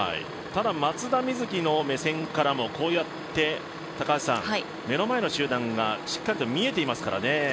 ただ松田瑞生の目線からもこうやって目の前の集団がしっかりと見えていますからね。